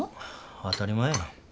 当たり前やん。